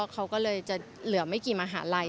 เขาก็เลยจะเหลือไม่กี่มหาลัย